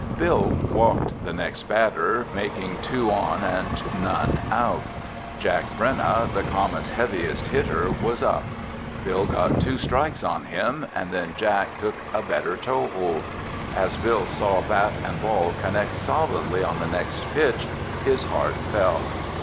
Bill walked the next batter, making two on and none out. Jack Brenna, the Comets' heaviest hitter, was up. Bill got two strikes on him and then Jack took a better toehold. As Bill saw bat and ball connect solidly on the next pitch, his heart fell.